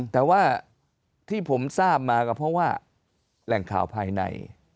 แต่ว่าที่ผมทราบมาก็เพราะว่าแหล่งข่าวภายใน